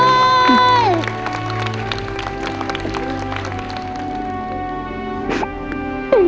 น้อง